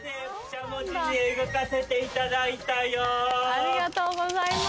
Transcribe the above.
ありがとうございます。